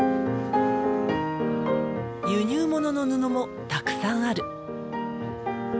輸入物の布もたくさんある。